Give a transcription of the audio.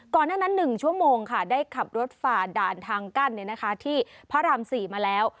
หน้านั้น๑ชั่วโมงค่ะได้ขับรถฝ่าด่านทางกั้นที่พระราม๔มาแล้ว